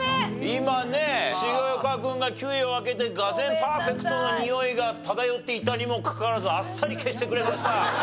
今ね重岡君が９位を開けてがぜんパーフェクトのにおいが漂っていたにもかかわらずあっさり消してくれました。